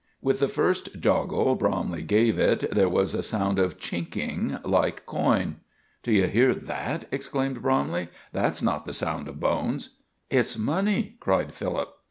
With the first joggle Bromley gave it, there was a sound of chinking like coin. "Do you hear that?" exclaimed Bromley. "That's not the sound of bones." "It's money!" cried Philip.